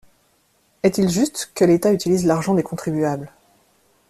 Est-il juste que l’État utilise l'argent des contribuables